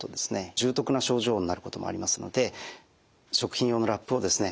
重篤な症状になることもありますので食品用のラップをですね